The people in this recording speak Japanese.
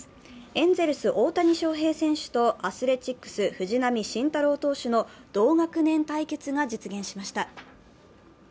エンゼルス・大谷翔平選手とアスレチックス・藤浪晋太郎投手の同学年対決が実現しました。